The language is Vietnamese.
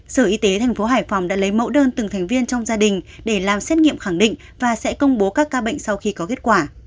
sở y tế tp hải phòng đã lấy mẫu đơn từng thành viên trong gia đình để làm xét nghiệm khẳng định và sẽ công bố các ca bệnh sau khi có kết quả